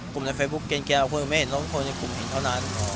กลุ่มในเฟซบุ๊กเกริเกียรติแล้วกลุ่มเอ็ดน้อย